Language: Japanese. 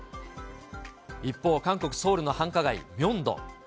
一方、韓国・ソウルの繁華街、ミョンドン。